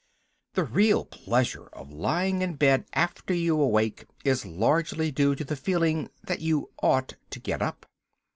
The real pleasure of lying in bed after you are awake is largely due to the feeling that you ought to get up.